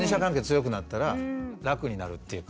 強くなったら楽になるっていうか。